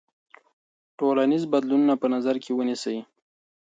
ټولنیز بدلونونه په نظر کې ونیسئ.